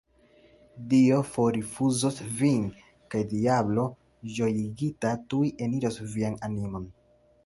Dio forrifuzos vin, kaj diablo ĝojigita tuj eniros vian animon!